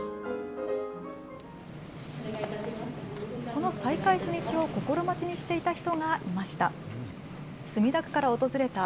この再開初日を心待ちにしていた人がいました。